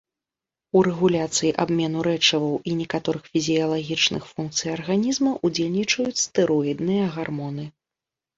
У рэгуляцыі абмену рэчываў і некаторых фізіялагічных функцый арганізма ўдзельнічаюць стэроідныя гармоны.